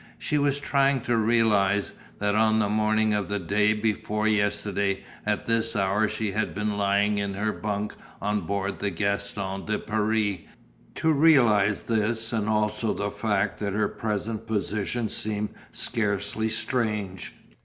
She was trying to realize, that on the morning of the day before yesterday at this hour she had been lying in her bunk on board the Gaston de Paris, to realize this and also the fact that her present position seemed scarcely strange.